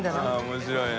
面白いね。